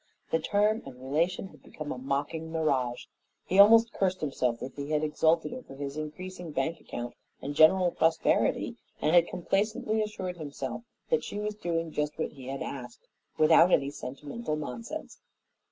The term and relation had become a mocking mirage. He almost cursed himself that he had exulted over his increasing bank account and general prosperity, and had complacently assured himself that she was doing just what he had asked, without any sentimental nonsense.